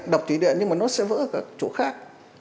đập thủy điện nhưng mà nó sẽ vỡ ở các chỗ khác